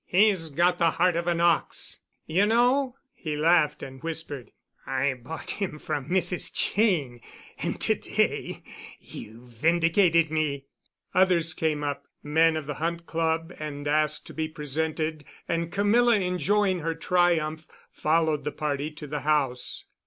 "He's got the heart of an ox. You know"—he laughed and whispered—"I bought him from Mrs. Cheyne, and to day you've vindicated me." Others came up, men of the Hunt Club, and asked to be presented, and Camilla, enjoying her triumph, followed the party to the house.